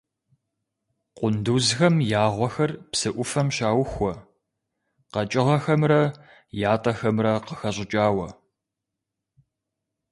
Къундузхэм я гъуэхэр псы Ӏуфэм щаухуэ къэкӀыгъэхэмрэ ятӀэхэмрэ къыхэщӀыкӀауэ.